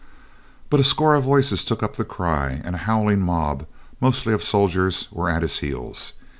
But a score of voices took up the cry, and a howling mob, mostly of soldiers, were at his heels.